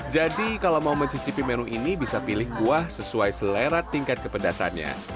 jadi kalau mau mencicipi menu ini bisa pilih kuah sesuai selera tingkat kepedasannya